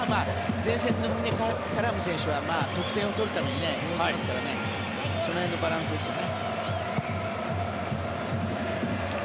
前線で絡む選手は得点を取るためにいますからその辺のバランスですよね。